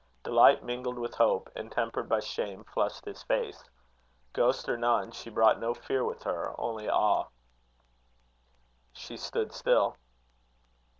Delight, mingled with hope, and tempered by shame, flushed his face. Ghost or none, she brought no fear with her, only awe. She stood still.